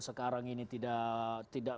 sekarang ini tidak